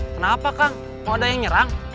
kenapa kang kalau ada yang nyerang